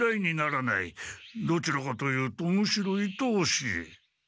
どちらかと言うとむしろいとおしい。